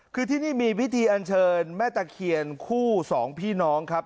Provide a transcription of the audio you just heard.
คือที่นี่มีพิธีอันเชิญแม่ตะเคียนคู่สองพี่น้องครับ